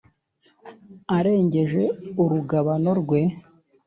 arengeje urugabano rwe